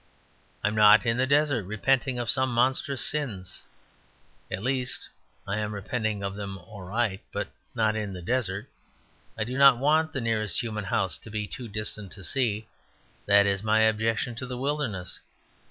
I am not in the desert repenting of some monstrous sins; at least, I am repenting of them all right, but not in the desert. I do not want the nearest human house to be too distant to see; that is my objection to the wilderness.